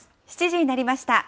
７時になりました。